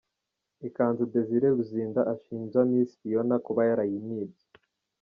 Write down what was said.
Ikanzu Desire Luzinda ashinja Miss Phionah kuba yarayimwibye.